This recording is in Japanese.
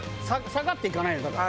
下がっていかないのだから。